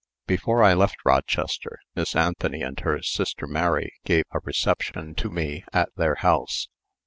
Before I left Rochester, Miss Anthony and her sister Mary gave a reception to me at their house.